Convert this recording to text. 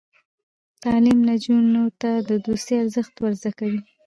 تعلیم نجونو ته د دوستۍ ارزښت ور زده کوي.